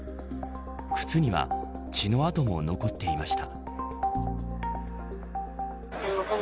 靴には血の跡も残っていました。